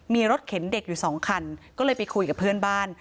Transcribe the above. มีรถเข็นเด็กอยู่สองคันก็เลยไปคุยกับเพื่อนบ้าน